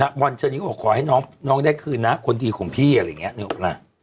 นะม่อนจะดินี่เขาขอให้น้องน้องได้คือน้าคนดีของพี่อะไรอย่างนี้นะ